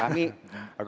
kami baca di